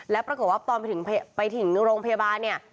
แล้วปรากฏว่าตอนไปถึงโรงพยาบาลเนี่ย